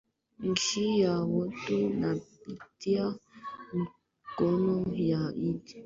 nchi ya wote napatia mkono ya idd